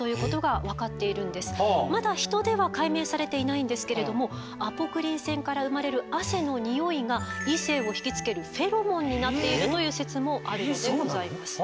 まだ人では解明されていないんですけれどもアポクリン腺から生まれる汗のニオイが異性をひきつけるフェロモンになっているという説もあるのでございます。